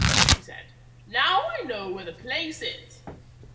she said, "Now I know where the place is."